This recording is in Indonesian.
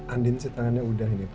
andin sih tangannya udah ini pak